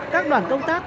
các đoàn công tác